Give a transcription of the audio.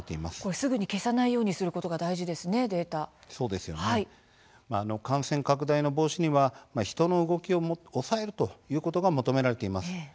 すぐに消さないようにする感染防止には人の動きを抑えるということが求められています。